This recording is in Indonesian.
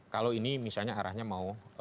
kalau ini misalnya arahnya mau